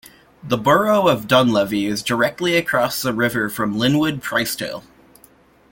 The borough of Dunlevy is directly across the river from Lynnwood-Pricedale.